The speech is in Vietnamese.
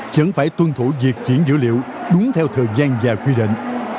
vẫn phải tuân thủ việc chuyển dữ liệu đúng theo thời gian và quy định